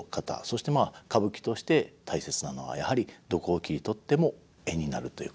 そしてまあ歌舞伎として大切なのはやはりどこを切り取っても絵になるということですか。